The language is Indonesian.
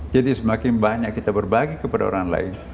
jadi semakin banyak kita berbagi kepada orang lain